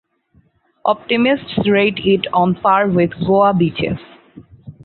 Optimists rate it on par with Goa beaches.